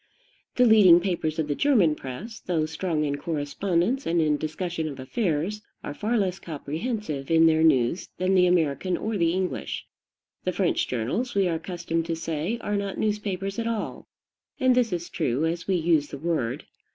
The leading papers of the German press, though strong in correspondence and in discussion of affairs, are far less comprehensive in their news than the American or the English. The French journals, we are accustomed to say, are not newspapers at all. And this is true as we use the word.